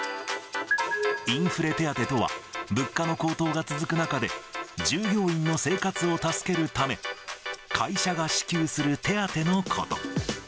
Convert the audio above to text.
インフレ手当とは、物価の高騰が続く中で、従業員の生活を助けるため、会社が支給する手当のこと。